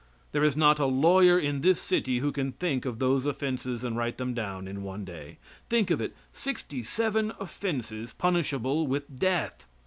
There is not a lawyer in this city who can think of those offenses and write them down in one day. Think of it! Sixty seven offenses punishable with death!